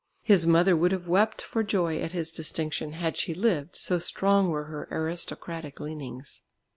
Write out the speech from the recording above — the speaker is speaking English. His mother would have wept for joy at his distinction, had she lived, so strong were her aristocratic leanings.